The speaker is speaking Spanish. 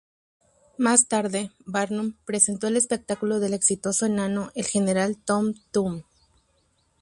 Más tarde, Barnum presentó el espectáculo del exitoso enano el "General Tom Thumb".